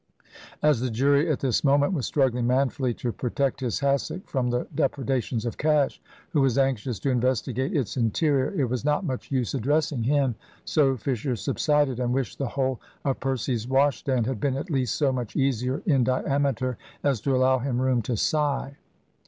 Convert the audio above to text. As the jury at this moment was struggling manfully to protect his hassock from the depredations of Cash, who was anxious to investigate its interior, it was not much use addressing him; so Fisher subsided, and wished the hole of Percy's wash stand had been at least so much easier in diameter as to allow him room to sigh.